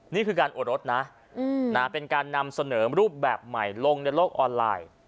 นี่คือการโอดรสนะเป็นการนำเสนอรูปแบบใหม่ลงในโลกออนไลน์